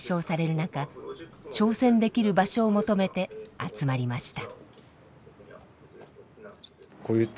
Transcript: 中挑戦できる場所を求めて集まりました。